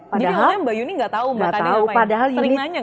jadi makanya mbak uni gak tahu mbak kade apa ya